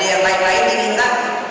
ada yang lain lain di bita